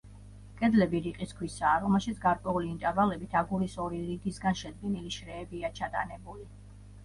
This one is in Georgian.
კედლები რიყის ქვისაა, რომელშიც გარკვეული ინტერვალებით აგურის ორი რიგისგან შედგენილი შრეებია ჩატანებული.